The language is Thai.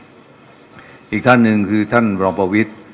อีกค่อนข้างหนึ่งคือท่านวรับประวิทธิ์